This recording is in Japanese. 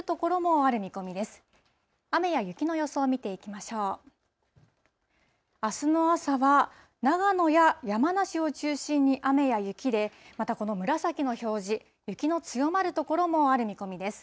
あすの朝は長野や山梨を中心に雨や雪で、またこの紫の表示、雪の強まる所もある見込みです。